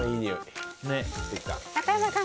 中山さん